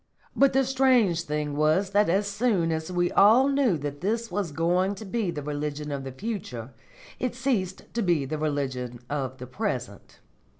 But the strange thing was that as soon as we all knew that this was going to be the religion of the future it ceased to be the religion of the present.